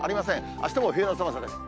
あしたも冬の寒さです。